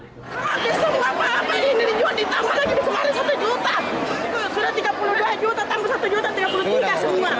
semua ini ditambah lagi kemarin satu juta